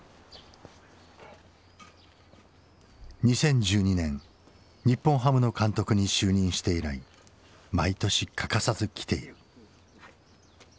２０１２年日本ハムの監督に就任して以来毎年欠かさず来ている。